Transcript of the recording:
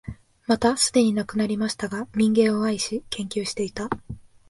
またすでに亡くなりましたが、民藝を愛し、研究していた、